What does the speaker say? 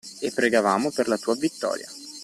E pregavamo per la tua vittoria.